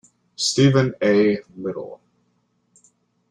Stephen A. Lytle.